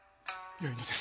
よいのです。